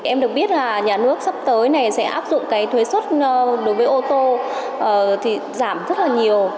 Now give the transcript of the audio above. em được biết là nhà nước sắp tới này sẽ áp dụng cái thuế xuất đối với ô tô thì giảm rất là nhiều